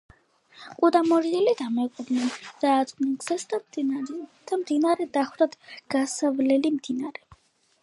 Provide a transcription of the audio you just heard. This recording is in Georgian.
კუ და მორიელი დამეგობრდნენ დაადგნენ გზას და მდინარე დახვდათ გასავლელი მდინარე